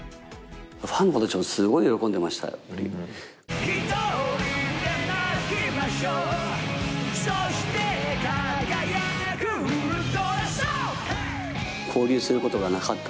ファンの子たちもすごく喜んでました。